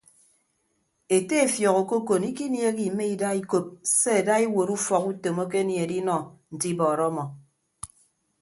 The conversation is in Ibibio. Ete efiọk okokon ikiniehe ime ida ikop se ada iwuot ufọk utom akenie edinọ nte ibọọrọ ọmọ.